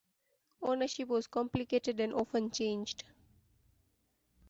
Ownership was complicated and often changed.